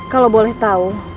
kalau boleh tahu